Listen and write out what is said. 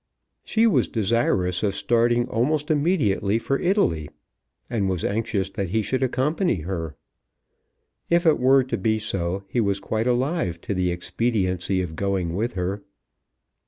She was desirous of starting almost immediately for Italy, and was anxious that he should accompany her. If it were to be so he was quite alive to the expediency of going with her.